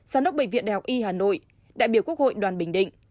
sản đốc bệnh viện đh y hà nội đại biểu quốc hội đoàn bình định